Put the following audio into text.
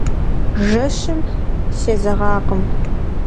Жэщым сезэгъакъым.